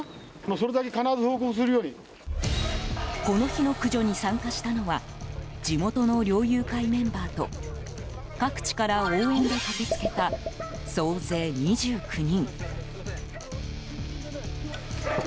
この日の駆除に参加したのは地元の猟友会メンバーと各地から応援で駆けつけた総勢２９人。